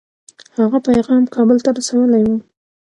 هغه پیغام کابل ته رسولی وو.